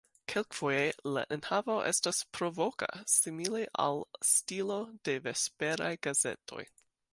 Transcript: Kelkfoje la enhavo estas provoka, simile al stilo de vesperaj gazetoj.